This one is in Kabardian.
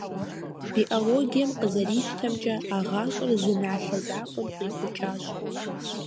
Биологием къызэрищтэмкӀэ, а гъащӀэр зы налъэ закъуэм къихъукӀащ.